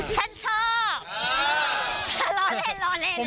ฉันชอบ